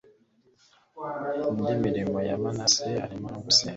indi mirimo ya manase harimo no gusenga